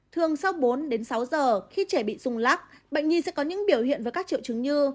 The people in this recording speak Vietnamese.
thường sau bốn đến sáu giờ khi trẻ bị dùng lắc bệnh nhi sẽ có những biểu hiện với các triệu chứng như